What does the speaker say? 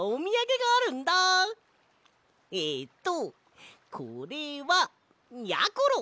えっとこれはやころ。